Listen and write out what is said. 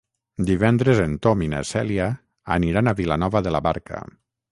Divendres en Tom i na Cèlia aniran a Vilanova de la Barca.